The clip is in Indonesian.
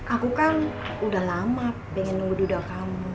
aku kan udah lama pengen nunggu duda kamu